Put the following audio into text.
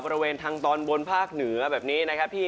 บริเวณทางตอนบนภาคเหนือเช่นเช่นเช่นอย่างนี้